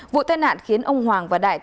vụ tai nạn khiến ông hoàng và đại